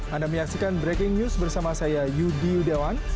anda menyaksikan breaking news bersama saya yudi yudawan